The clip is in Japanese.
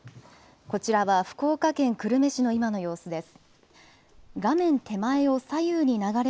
こちらは福岡県久留米市の今の様子です。